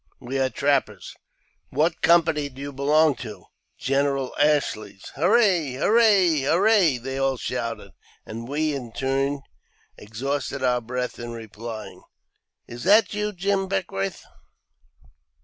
" We are trappers." "What company do you belong to ?"*' General Ashley's." *' Hurrah ! hurrah ! hurrah !" they all shouted, and we, in turn, exhausted our breath in replying. " Is that you, Jim Beckwourth?"